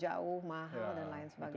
jauh mahal dan lain sebagainya